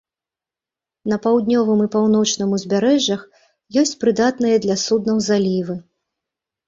На паўднёвым і паўночным узбярэжжах ёсць прыдатныя для суднаў залівы.